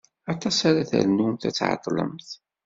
Aṭas ara ternumt ad tɛeḍḍlemt?